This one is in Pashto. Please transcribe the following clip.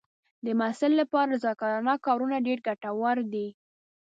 د محصل لپاره رضاکارانه کارونه ډېر ګټور دي.